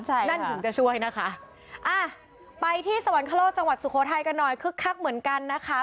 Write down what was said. ใช่นั่นถึงจะช่วยนะคะอ่ะไปที่สวรรคโลกจังหวัดสุโขทัยกันหน่อยคึกคักเหมือนกันนะคะ